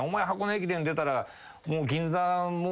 駅伝出たら。